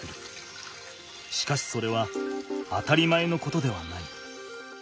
しかしそれは当たり前のことではない。